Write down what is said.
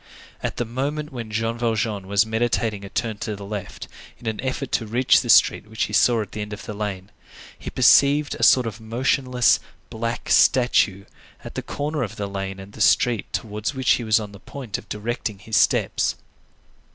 At the moment when Jean Valjean was meditating a turn to the left, in an effort to reach the street which he saw at the end of the lane, he perceived a sort of motionless, black statue at the corner of the lane and the street towards which he was on the point of directing his steps.